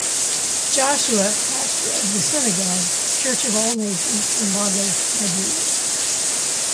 Joshua, pastor of The Synagogue, Church of All Nations in Lagos, Nigeria.